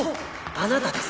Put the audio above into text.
あなたです。